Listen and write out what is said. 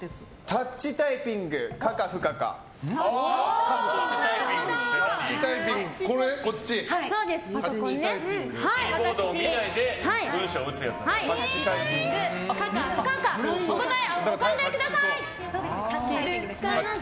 タッチタイピング可か不可かお考えください。